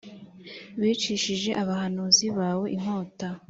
bicishije abahanuzi bawe inkota